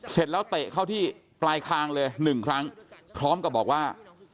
เสร็จแล้วเตะเข้าที่ปลายคางเลยหนึ่งครั้งพร้อมกับบอกว่า